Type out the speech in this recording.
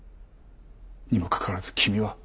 にもかかわらず君は。